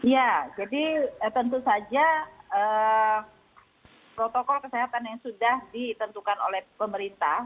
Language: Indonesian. ya jadi tentu saja protokol kesehatan yang sudah ditentukan oleh pemerintah